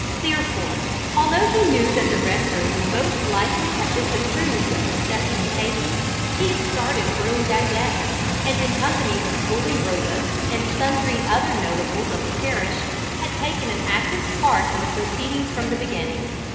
Therefore, although he knew that the rector would most likely have disapproved of the step he was taking, he had started early that day, and in company with Bully Robus and sundry other notables of the parish, had taken an active part in the proceedings from the beginning.